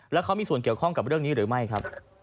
แล้วเขามีส่วนเกี่ยวข้องกับเรื่องนี้หรือไม่ครับ